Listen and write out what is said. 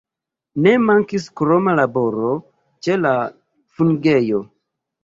Ne mankis kroma laboro ĉe la fungejo.